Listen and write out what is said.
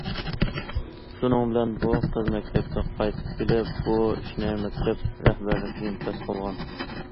شۇنىڭ بىلەن بۇ قىز مەكتەپكە قايتىپ كېلىپ بۇ ئىشنى مەكتەپ رەھبەرلىكىگە ئىنكاس قىلغان.